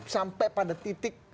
sampai pada titik